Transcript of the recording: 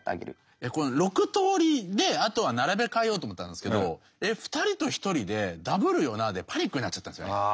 ６通りであとは並べ替えようと思ったんですけど２人と１人でダブるよなでパニックになっちゃったんですよね。